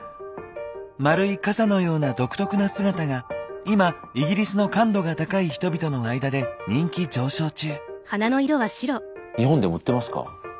丸い傘のような独特な姿が今イギリスの感度が高い人々の間で人気上昇中。